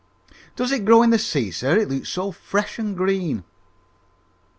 "Does it grow in the sea, sir? It looks so fresh and green."